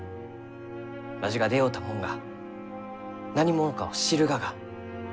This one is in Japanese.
わしが出会うたもんが何者かを知るがが。